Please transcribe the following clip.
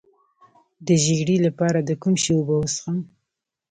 د ژیړي لپاره د کوم شي اوبه وڅښم؟